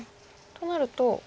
となると。